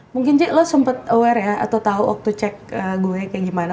mungkin cek lo sempat aware ya atau tahu waktu cek gue kayak gimana